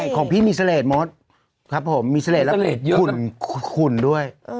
ของพี่มีเศรษฐ์มศครับผมมีเศรษฐ์แล้วขุนด้วย